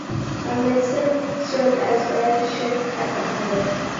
"Magnificent" served as guard ship at the Humber.